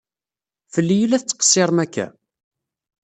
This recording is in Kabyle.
Fell-i i la tettqessiṛem akka?